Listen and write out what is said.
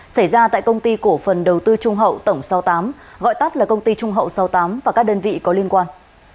xảy ra tại công ty cổ phần đầu tư trung hậu tổng sáu mươi tám gọi tắt là công ty trung hậu sáu mươi tám và các đơn vị có liên quan